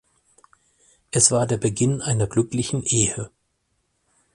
Es war der Beginn einer glücklichen Ehe.